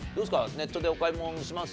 ネットでお買い物します？